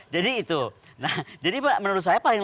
jadi itu nah jadi menurut saya paling